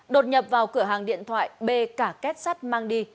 đột nhập vào cửa hàng điện thoại b cả kết sát mang đi